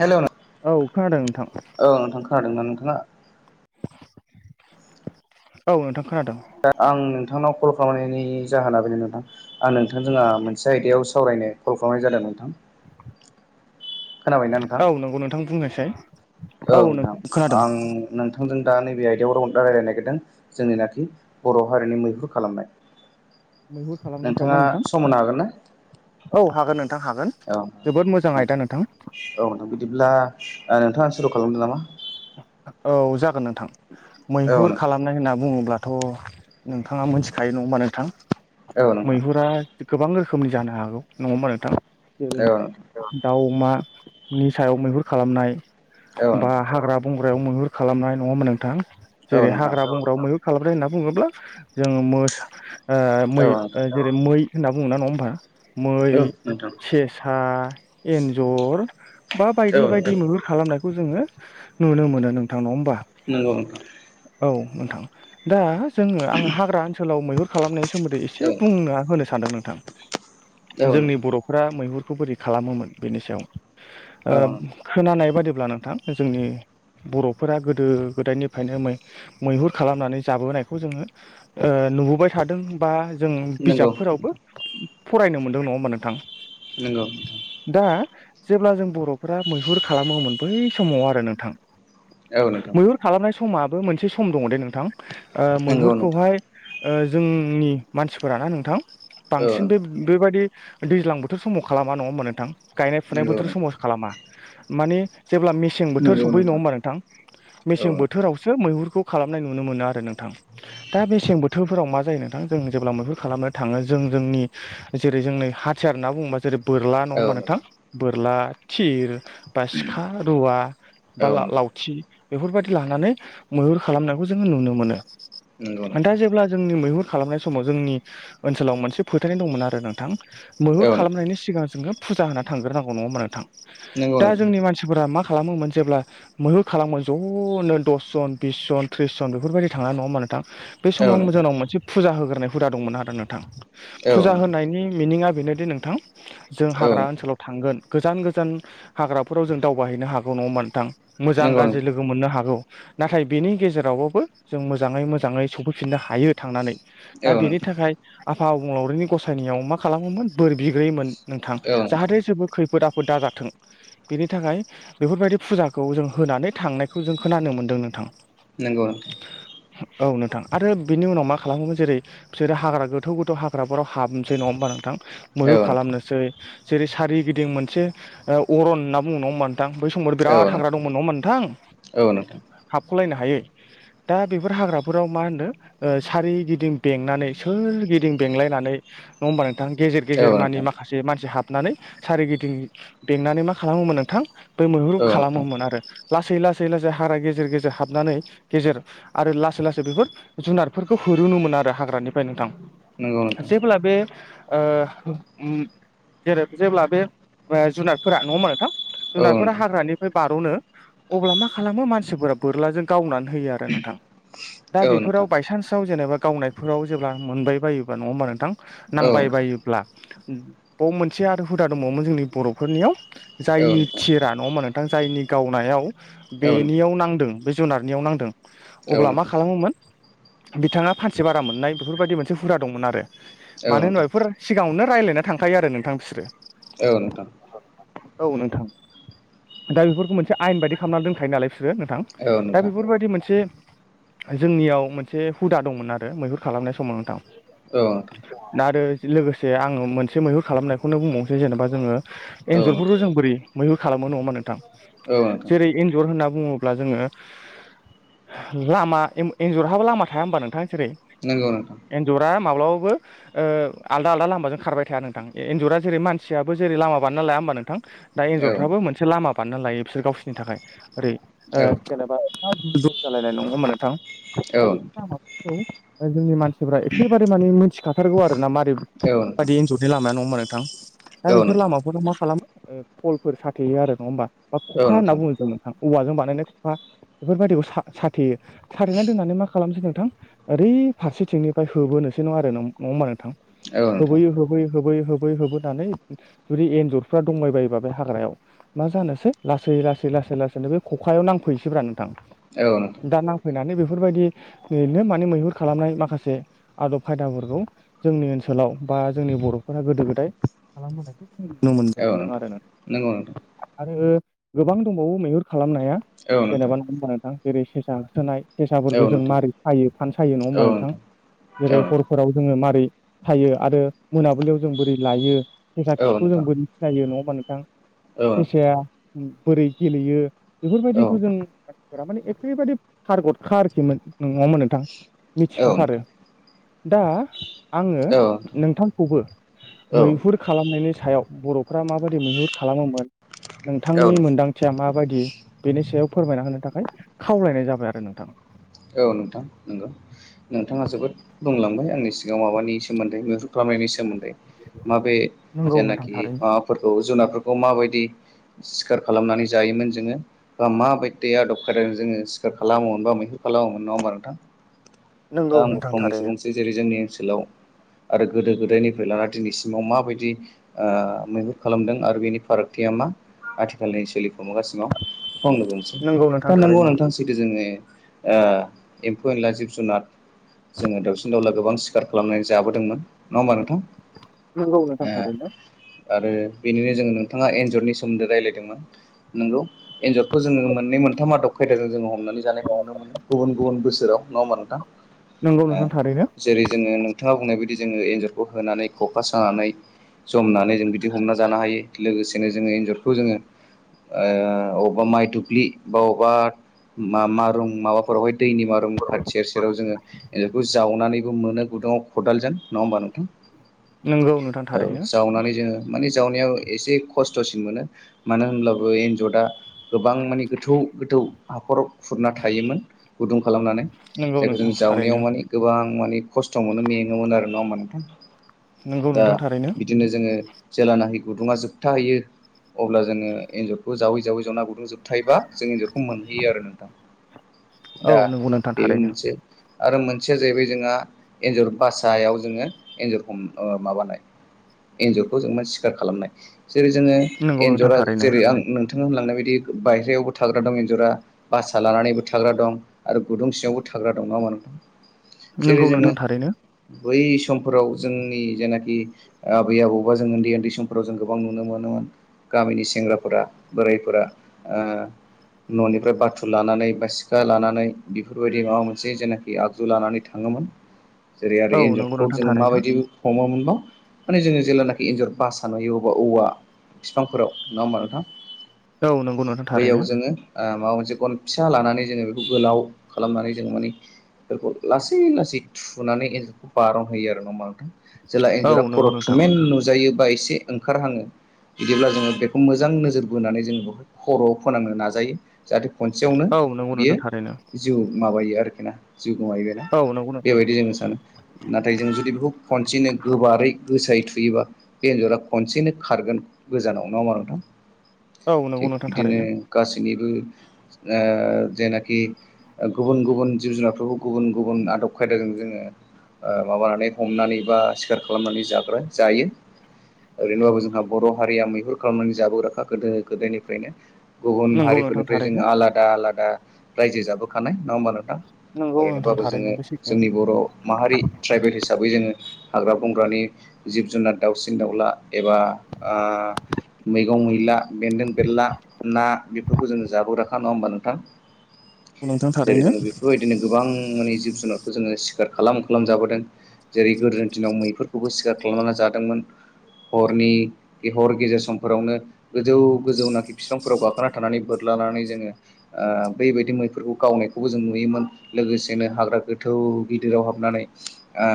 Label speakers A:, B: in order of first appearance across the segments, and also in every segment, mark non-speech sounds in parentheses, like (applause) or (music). A: हेल औ
B: औ खोनादों नोंथां
A: नोंथां खोनादों ना नोंथाङा?
B: औ नोंथां। खोनादों
A: दा आं नोंथांनाव कल खालामनायनि जाहोना बेनो नोंथां आं नोंथां जोंहा आ मोनसे आयदायाव सावरायनो कल खालामनाय जादों नोंथां। (inaudible) खोनाबायनाा नोंथां
B: औ नंगौ नोंथां बुंनायसाय
A: औ
B: औ
A: नोंथां
B: खोनादों
A: आं नोंथांजों दा नैबेहाइ (unintelligible) राव रायलायनो नागिरदों जोंनिनाखि बर हारिनि मैहुर खालामनाय
B: मैहुर खालामनाय सायाव
A: नोंथाङा
B: ना नोंथां
A: सम होनो हागोन ना
B: औ हागोन नोंथां हागोन।
A: औ
B: जोबोद मोजां आयदा
A: नोंथां औ नोंथां बिदिब्ला नोंथाङा सुरु खालामदो नामा?
B: औ जागोन नोंथां।
A: औ
B: मैहुर
A: नोंथां
B: खालामनाय होनना बुङोब्ला थ नोंथाङा मोनथिखायो नङा होमबा नोंथां
A: औ नोंथां
B: मैहुरा गोबां रोखोम रोखोमनि जानो हागौ नङा हबा नोंथां
A: औ
B: जेरै-
A: नोंथां
B: दाउ अमा नि सायाव मैहुर खालामनाय
A: औ
B: बा
A: नोंथां
B: हाग्रा बंग्रायाव मैहुर खालामनाय नङाहोनबा नोंथां
A: औ
B: जेरै-
A: नोंथां
B: हाग्रा बंग्रायाव मैहुर खालामबाय होनना बुङोब्ला जोङो मोसा ओ मै
A: औ नोंथां
B: जेरै- मै होनना बुङना नङा होमबा
A: औ
B: मै,
A: नोंथां
B: सेसा, एन्जर बा बायदि
A: औ नोंथां
B: बायदि मैहुर खालामनायखौ जोङो नुनो मोनो नोंथांनाव होमबा।
A: नोंगौ नोंथां।
B: औ नोंथां दा जोङो आं हाग्रा ओनसोलाव मैहुर खालामनायनि सोमोन्दै एसे
A: औ
B: बुंना होनो सानदों नोंथां।
A: औ
B: जोंनि
A: नोंथां
B: बरफोरा मैहुरखौ बोरै खालामोमोन बेनि सायाव ओ
A: औ
B: खोनानाय बादिब्ला नोंथां जोंनि बरफोरा गोदो गोदायनिफ्रायनो मै मैहुर खालामनानै जाबोनायखौ जोङो ओ नुबोबाय थादों। बा जों
A: नंगौ
B: बिजाबफोरावबो फरायनो मोनदों नङा होमबा नोंथां?
A: नोंंगौ ।
B: दा जेब्ला जों बर'फ्रा मैहुर खालामोमोन बै समाव आरो नोंथां
A: औ नोंथां
B: ।मैहुर खालामनाय समाबो मोनसे सम दङ दे नोंथां ओ
A: नंगौ नोंथां
B: मैहुरखौहाय ओ जोंनि मानसिफोराना नोंथां
A: औ
B: बांसिन बे
A: नोंथां
B: बेबायादि दैज्लां बोथोर समाव खालामा नङा होमबा नोंथां। गायनाय फुनाय
A: नंगौ
B: बोथोर
A: नोंथां
B: समावसो खालामा माने जेब्ला मेसें बोथोर सफैयो नङा होमबा नोंथां?
A: औ
B: मेसें बोथोरावसो मैहुरखौ खालामनाय नुनो मोनो आरो नों दां । दा मेसें बोथ बोथोरफोराव मा जायो नोंथां, जों जेब्ला मैहुर खालामनो थाङो जों जोंनि जेरै जोंनि हाथियार होनना बुङोबा जेरै बोरला नङा होनोमबा नोंथां बोरला, थिर, बा सिखा, रुवा
A: औ नोंथां औ
B: बा
A: नोंथां
B: लावथि बेफोरबायदि लानानै मैहुर खालामनायखौ जोङो नुनो मोनो।
A: नंगौ
B: दा
A: नोंथां
B: जेब्ला जोंनि मैहुर खालामनाय समाव जोंनि ओनसोलाव मोनसे फोथायनाय दंमोन आरो नोंथां।
A: औ
B: मैहुर
A: नोंथां
B: खालामनायनि सिगां जोङो फुजा होना थांग्रोनांगौ नङा होमब्ला नोंथां?
A: नंगौ
B: दा
A: नोंथां
B: जोंनि मानसिफोरा मा खालामो मोन जेब्ला मैहुर खालामोमोन ज'नो दसजन, बिस जन, थ्रिस जन, बेफोरबायदि थाङा नङा होमबा नोंथां? बे
A: औ
B: समाव
A: नोंथां
B: जोंनाव मोनसे फुजा होग्रोनाय हुदा दंमोन आरो नोंथां
A: औ
B: ।फुजा
A: नोंथां
B: होनायनि मिनिंगआ बेनोदि नोंथां जों
A: औ
B: हाग्रा
A: नोंथां
B: ओनसोलाव थांगोन गोजान गोजान हाग्राफोराव जों दावबायहैनो हागौ न'ङा होमब्ला नोंथां? मोजां
A: नंगौ
B: गाज्रि
A: नोंथां
B: लोगो मोननो हागौ। नाथाय बेनि गेजेरावबाबो जों मोजाङै मोजाङै सफैफिननो हायो थांनानै
A: औ नोंथां औ
B: दा बेनि
A: नोंथां
B: थाखाय आफा अबंलावरिनि गसायनियाव मा खालामोमोन बोर बिग्रोयोमोन। नोंथां जाहाथे जेबो खैफोद आफोद दाजाथों बेनि थाखाय बेफोरबायदि फुजाखौ जों होनानै थांनायखौ जों खोनानो मोन्दों नोंथां।
A: नोंगौ नोंथां।
B: औ नोंथां ।आरो बिनि उनाव मा खालामोमोन जेरै- बिसोरो हाग्रा गोथौ गोथौ हाग्राफोराव हाबनोसै नङा होनबा नोंथां? मैहुर
A: औ नोंथां औ नोंथां
B: खालामनोसै जेरै सारिगिदिं मोनसे अरन होनना बुङो नङा होमबा नोंथां? बै समाव बिराद हाग्रा दंमोन नङा होनबा नोंथां हाबख'लायनो हायै।
A: (inaudible)
B: दा बेफोर हाग्राफोराव मा होनो ओ सारोगिदिं बेंनानै सोरगिदिं बेंलायनानै नङा होमबा नोंथां गेजेर
A: औ नोंथां
B: गेजेर मानि माखासे मानसि हाब हाबनानै सारिगिदिं बेंनानै मा खालामोमोन नोंथां बै मैहुरु
A: औ नोंथां
B: खालामोमोन आरो। लासै लासै लासै हाग्रा गेजेर गेजेर हाबनानै गेजेर आरो लासै लासै बेफोर जुनारफोरखौ होरुनोमोन आरो हाग्रानिफ्राय नोंथां
A: नंगौ नोंथां
B: जेब्ला बे ओ ओम जेरै जेब्ला बे जुनारफोरा नङा होनबा नोंथां।
A: औ
B: जुनारफोरा
A: नोंथां
B: हाग्रानिफ्राय बार'नो अब्ला मा खालामो मानसिफोरा बोरलाजों गावनानै थैयो आरो नोंथां। दा
A: औ
B: बिफोराव
A: नोंथां
B: बाइसानसआव जेनबा गावनायफोराव जेब्ला मोनबायबायोब्ला नङा होमबा नोंथां
A: औ नोंथां औ नोंथां औ
B: नांबायबायोब्ला ब मोनसे आरो हुदा दंबावोमोन जोंनि बर'फोरनियाव। जायनि
A: नोंथां
B: थिरा नङा होमबा नोंथा। जायनि गावनायाव बेनियाव नांदों बे जुनारनियाव नांदों
A: औ
B: अब्ला मा
A: नोंथां
B: खालामोमोन बिथाङा फानसे बारा मोननाय बेफोरबायदि मोनसे हुदा दंमोन आरो।
A: औ
B: मानो होनबा बेफोर सिगाङावनो रायलायना थांखायो आरो नोंथां बिसोरो।
A: औ नोंथां।
B: औ नोंथां ।दा बेफोरखौ मोनसे आयेन बायदि खामना दोनखायो नालाय बिसोर। नोंगो नोंथां।
A: औ
B: दा बेफोरबायदि मोनसे जोंनियाव मोनसे हुदा दंमोन आरो मैहुर खालामनाय समाव नोंथां। दा आरो लोगोसे आङो मोनसे मैहुर खालामनायखौनो बुंबावनोसै जेनेबा जोङो एन्जरफोरखौ जों बोरै मैहुर खालामो नङा होमबा नोंथां
A: नोंथां औ नोंथां
B: जेरै एन्जर होनना बुङोब्ला जोङो लामा एन्जर हाबो लामा थाया होमबा नोंथां? जेरै
A: नंगौ नोंथां
B: एन्जरा माब्लाबाबो ओ आलदा आलदा लामाजों खारबाय थाया नोंथां ।एन्जरा जेरै मानसिआबो जेरै लामा बानायनालाया होमबा नोंथां दा
A: औ
B: एन्जरफ्राबो मोनसे लामा बानायना लायो बिसोर गावसोरनि थाखाय ओरै ओ
A: औ
B: जेनेबा जालायनाय नङा होमबा नोंथां
A: औ
B: दा बे लामाफोरखौ जोंनि मानसिफ्रा एखेबारे माने मोनथिखाथारगौ आरो ना मा
A: औ नोंथां
B: बायदि एनजरनि लामाया नङा होनबा नोंथां? दा
A: औ
B: बेफोर
A: नोंथां
B: लामाफोराव मा खालामो ओ फलफोर सा थेयो आरो नङा होमबा? बा
A: औ
B: ख'खा होनना
A: नोंथां
B: बुङो जों नोंथां, औवाजों बानायनाय खखा बेफोरबायदिखौ सा-साथेयो। साथेना दोननानै मा खालामनोसै नोंथां ओरै फारसेथिंनिफ्राय होबोनोसै नङा आरो नङा होमबा नोंथां?
A: औ नोंथां
B: होबोयै होबोयै होबोयै होबोयै होबोनानै जुदि एन्जरफ्रा दंबाय बायोबा बे हाग्रायाव मा जानोसै लासै लासै लासै लासैनो बे खखायाव नांफैनोसै ब्रा नोंथां,
A: औ नोंथां
B: दा नांफैनानै बे फोरबायदियैनो माने मैहुर खालामनाय माखासे आदब खायदाफोरखौ जोंनि ओनसोलाव बा जोंनि बर'फोरा गोदो-गोदाय खालामबोनायखौ जों नुनो
A: औ
B: मोनबाय थादों
A: नोंथां
B: आरो नों
A: नंगौ नोंथां
B: ओ गोबां दंबावो मैहुर खालामनाया
A: औ नोंथां
B: जेनेबा नङा होमबा नोंथां? जेरै सेसा होसोनाय
A: औ
B: सेसाफोरखौ जों
A: नोंथां
B: मारै सायो फान सायो नङा
A: औ
B: होमबा नोंथां? जेरै
A: औ
B: हरफोराव जोङो मारै सायो आरो मोनाबिलियाव जों बोरै लायो सेसा खिखौ जों
A: नोंथां
B: बोरै सिनायो नङा होमबा नोंथां?
A: औ नोंथां औ
B: सेसाया ओम बोरै गेलेयो बेफोरबायदिखौ
A: औ
B: जों फोरा माने एखेबारे फारगटखा आरोखि नो नङा होनबा नोंथां मिथिखा थारो।
A: नोंथां
B: दा आङो
A: औ नोंथां
B: नोंथांखौबो मैहुर खालामनायनि सायाव बर'फ्रा माबायदि मैहुर खालामोमोन नोंथांनि मोनदांथिया मा बादि बेनि सायाव फोरमायना होनो थाखाय खावलायनाय जाबाय आरो नोंथां।
A: औ नोंथां नंगौ नोंथाङा जोबोद बुंलांबाय आंनि सिगाङाव माबानि सोमोन्दै मैहुर खालाम नायनि सोमोन्दै माबे
B: नंगौ नोंथां
A: जेनाखि
B: थारैनो
A: माबाफोरखौ जुनारफोरखौ माबायदि सिखार खालामनानै जायोमोन जोङो बा माबायदि आदब खायदाजों जोङो सिखार खालामोमोनबा मैहुर खालामोमोन नङा होमबा नोंथां? दा
B: नंगौ
A: आंबो
B: नोंथां
A: फंनैसो
B: थारैनो
A: बुंसै जेरै जोंनि ओनसोलाव आरो गोदो-गोदायनिफ्राय लाना दिनैसिमाव माबायदि ओ मैहुर खालामदों आरो बेनि फारागथिया मा आथिखालनि सोलिफुमा गासिमाव बेखौ आंनो बुंनोसै‌।
B: नंगौ
A: दा
B: नोंथां
A: नोंगौ
B: थारैनो
A: नोंथां सैथो जोङो ओ एम्फौ-एनला जिब जुनार जोङो दाउसिन-दाउला गोबां सिखार खालामनानै जाबोदोंमोन, नङा होनबा नोंथां?
B: नंगौ नोंथां
A: ओम
B: थारैनो
A: आरो बेनिनो जोङो नोंथाङा एन्जरनि सोमोन्दै रायलायदोंमोन नोंगौ एन्जरखौ जोङो मोननै मोनथाम आदब खायदाजों जोङो हमनानै जानायखौ नुनो मोनो, गुबुन गुबुन बोसोराव नङा होनबा नोंथां?
B: नंगौ
A: ओम,
B: नोंथां थारैनो
A: जेरै जोङो नोंथाङा बुंनाय बायदि जोङो एन्जरखौ होनानै खखा सानानै जमनानै जों बिदि हमना जानो हायो लोगोसेनो जोङो एन्जरखौ जोङो ओ अबावबा माइ दुब्लि बा अबावबा मा-मारुं माबा फोरावहाय दैनि मारुम खाथिया सेराव जोङो एनजरखौ जावनानै मोनो गुदुङाव खदाल जों नङा होनबा नोंथां?
B: नंगौ नोंथां
A: औ
B: थारैनो
A: जावनानै जोङो माने जावनायाव एसे खस्थ'सिन मोनो मानो होनब्लाबो एन्जरा गोबां माने गोथौ गोथौ हाखराव खुरना थायोमोन, गुदुं खालामनानै
B: नंगौ
A: जायखौ जों
B: नोंथां
A: जावनायाव
B: थारैनो
A: माने गोबां माने खस्थ' मोनो मेङोमोन आरो नङा होनबा नोंथां?
B: नंगौ
A: दा
B: नोंथां थारैनो
A: बिदिनो जोङो जेलानाहि गुदुङा जोबथा हैयो अब्ला जोङो एन्जरखौ जावै जावै जावना गुदुं जोबथायोबा जों एन्जर खौ मोनहैयो आरो नोंथां।
B: औ
A: दा
B: नंगौ नोंथां
A: बेबो
B: थारैनो
A: मोनसे आरो मोनसेया जाहैबाय जोंहा एन्जर बासायाव जोङो एन्जरखौ हम ओ माबानाय एन्जरखौ जों मा सिखार खालामनाय। जेरै जोङो
B: नंगौ नोंथां
A: एन्जरा
B: थारैनो
A: जेरै आं नों थां होनलांनाय बायदि बायहेरायावबो थाग्रा दं एन्जरा बासा लानानैबो थाग्रा दं आरो गुदुं सिङावबो थाग्रा दं नङा होनबा नोंथां? जेरै
B: नोंगौ
A: जोङो
B: नोंथां थारैनो।
A: बै समफोराव जोंनि जेनाखि आबै आबौ बा जों उन्दै उन्दै समफोराव जों गोबां नुनो मोनोमोन गामिनि सेंग्राफोरा बोरायफोरा ओ न'निफ्राय बाथुल लानानै बा सि खा लानानै बेफोरबायदि माबा मोनसे जेनाखि आगजु लानानै थाङोमोन जेरै
B: औ
A: आरो
B: नंगौ
A: एन्जरखौ
B: नोंथां
A: जोङो
B: थारैनो
A: माबायदिबो हमोमोनबा माने जोङो जेब्लानाखि एन्जर बासा नुयो अबा औवा बिफांफोराव नङा होमबा नोंथां।
B: औ नंगौ नोंथां
A: बैयाव
B: थारैनो
A: जोङो ओ माबा मोनसे गन फिसा लानानै जोङो बेखौ गोलाव खालामनानै जोङो मानि बेखौ लासै लासै थुनानै एन्जरखौ बारनहोयो आरो नङा होनबा नोंथां जेला
B: औ
A: एन्जरा
B: नंगौ
A: खर'
B: नोंथां
A: थुमेनन नुजायो बा एसे ओंखारहाङो बिदिब्ला जोङो बेखौ मोजां नोजोर बोनानै जोङो बेहाय खर'आव फोनांनो नाजायो जाहाथे खनसेयावनो
B: औ नंगौ
A: बियो
B: नोंथां थारैनो
A: जिउ माबायो आरोखि ना जिउ गोमायो ना
B: औ नंगौ नोंथां
A: बेबायदि जोङो सानो नाथाय जों जुदि बेखौ खनसेनो गोबारै गोसायै थु योबा बे एन्जरा खनसेनो खारगोन गोजानाव नङा होनबा नोंथां
B: औ नंगौ
A: थिग
B: नोंथां
A: बिदिनो
B: थारैनो
A: गासैनिबो ओ जायनाखि गुबुन गुबुन जिब जुनारफोरखौ गुबुन गुबुन आदब खायदाजों जोङो ओ माबानानै हमनानै बा सिखार खालामनानै जाग्रा जायो ओरैनोबाबो जोंहा बर' हारिया मैहुर खालामनानै जाबोग्राखा गोदो गोदायनिफ्रायनो गुबुन
B: नंगौ नोंथां
A: हारिफोरनिफ्राय जों
B: थारैनो
A: आलादा आलादा रायजो जाबोखानाय नङा होमबा नोंथां
B: नंगौ नोंथां
A: ओरैनोबाबो
B: थारैनो
A: जोङो
B: बे सैथो
A: जोंनि बर' माहारि ट्राइबेल हिसाबै जोङो हाग्रा बंग्रानि जिब जुनार दाउसिन दाउला एबा ओ मैगं मैला, बेन्दों बेरला, ना बेफोरखौ जोङो जाबोग्राखा नङा होमबा नोंथां
B: नोंथां
A: जेरै जों
B: थारैनो
A: बेफोरबायदिनो गोबां माने जिब जुनारखौ जोङो सिखार खालाम खालाम जाबोदों जेरै गोदोनि दिनाव मैफोरखौबो सिखार खालामनानै जा दोंमोन हरनि बे हर गेजेर समफोरावनो गोजौ गोजौनाखि बिफांफोराव गाखोना थानानै बोर लानानै जोङो ओ बै बायदि मैफोरखौ गावनायखौबो जों नुयोमोन लोगोसेनो हाग्रा गोथौ गिदिराव हाबनानै आ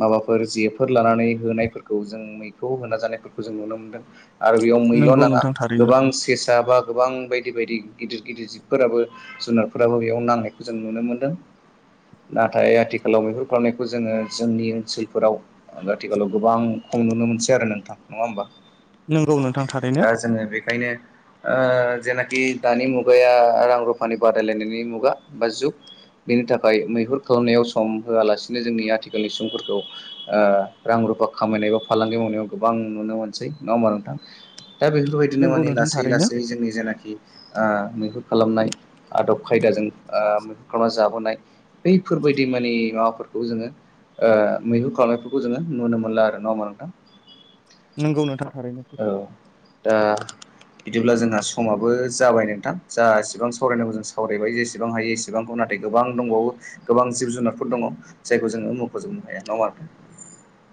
A: माबाफोर जेफोर लानानै होनायफोरखौ जों मैखौ होना जानायफोरखौ जों नुनो मोनदों आरो बेयाव मैल'
B: नंगौ
A: नाङा
B: नोंथां थारैनो
A: गोबां सेसा बा गोबां बायदि बायदि गिदिर गिदिर जिब फोराबो जुनारफोराबो बेयाव नांनायखौ जों नुनो मोन्दों नाथाय आथिखालाव बेफोर खालामनायखौ जोङो जोंनि ओनसोलफोराव आथिखालाव गोबां खम नुनो मोनसै आरो नोंथां नङा होमबा
B: नंगौ नोंथां थारैनो
A: दा जोङो बेखायनो ओ जेनाखि दानि मुगाया रां रुफानि बादायलायनायनि मुगा बा जुग बेनि थाखाय मैहुर खालामनायाव सम होआलासिनो जोंनि आथिखालनि सुबुंफोरखौ ओ रां रुफ फा खामायनाय बा फालांगि मावनायाव गोबां नुनो मोनसै नङा होमब्ला नोंथां दा बेफोरबायदिनो
B: नंगौ
A: माने
B: नोंथां
A: लासै
B: थारैनो
A: लासै जोंनि जेनाखि ओ मैहुर खालामनाय आदब खायदाजों ओ मैहुर खालामना जाबोनाय बैफोरबायदि माने माबाफोर खौ जोङो ओ मैहुर खालामनायफोरखौ जोङो नुनो मोनला आरो नङा होनबा नोंथां
B: नंगौ नोंथां थारैनो
A: औ दा बिदिब्ला जोंहा समाबो जाबाय नोंथां जा एसिबां स सावरायनांगौ जों सावरायबाय जेसेबां हायो एसेबां नाथाय गोबां दंबावो गोबां जिब जुनारफोर
B: औ
A: दङ जायखौ जोङो मखजोबनो हाया नङा होनबा नोथां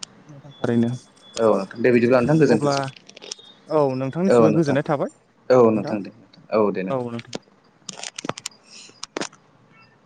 B: थारैनो
A: औ नोंथां दे बिदिब्ला नोंथां
B: अब्ला
A: गोजोनथोंसै
B: औ
A: औ
B: नोंथांनिसिमबो
A: नोंथां
B: गोजोननाय थाबाय
A: औ नोंथां दे नोंथां औ दे नोंथां (inaudible)